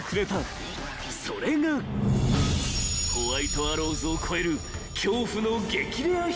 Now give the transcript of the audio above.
［それがホワイトアローズを超える］